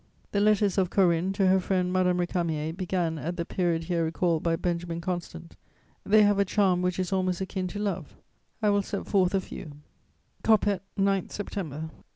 ] The letters of Corinne to her friend Madame Récamier began at the period here recalled by Benjamin Constant: they have a charm which is almost akin to love; I will set forth a few: "COPPET, 9 _September.